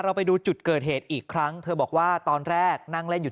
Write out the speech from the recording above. ไปดูจุดเกิดเหตุอีกครั้งเธอบอกว่าตอนแรกนั่งเล่นอยู่